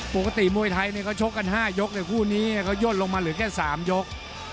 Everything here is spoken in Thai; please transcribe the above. ปกติมวยไทยเขาชกกัน๕ยกแต่คู่นี้เขาย่นลงมาเหลือแค่๓ยก